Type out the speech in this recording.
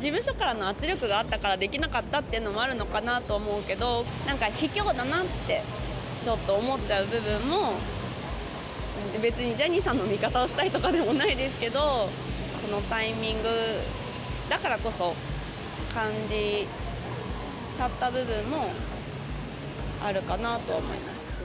事務所からの圧力があったからできなかったっていうのもあるのかなと思うけど、なんか卑怯だなって、ちょっと思っちゃう部分も、別にジャニーさんの味方をしたいとかでもないですけど、このタイミングだからこそ感じちゃった部分もあるかなと思います。